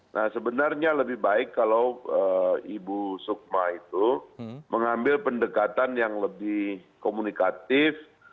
nah sebenarnya lebih baik kalau ibu sukma itu mengambil pendekatan yang lebih komunikatif